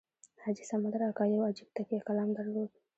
حاجي سمندر اکا یو عجیب تکیه کلام درلود.